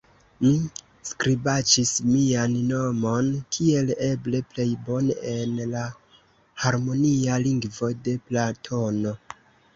Mi skribaĉis mian nomon kiel eble plej bone en la harmonia lingvo de Platono.